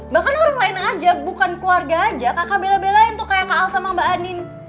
bahkan orang lain aja bukan keluarga aja kakak bela belain tuh kayak kak al sama mbak anin